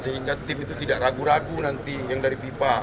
sehingga tim itu tidak ragu ragu nanti yang dari fifa